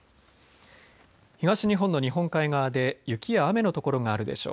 東日本の日本海側で雪や雨の所があるでしょう。